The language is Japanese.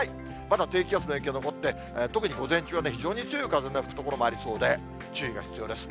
まだ低気圧の影響残って、特に午前中は非常に強い風の吹く所もありそうで、注意が必要です。